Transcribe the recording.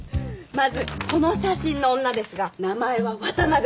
まずこの写真の女ですが名前は渡辺若葉。